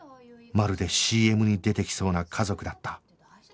まるで ＣＭ に出てきそうな家族だった